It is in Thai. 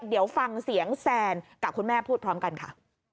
เดี๋ยวฟังเสียงแซนกับคุณแม่พูดพร้อมกันค่ะ